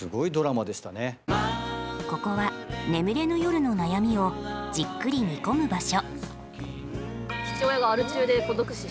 ここは眠れる夜の悩みをじっくり煮込む場所。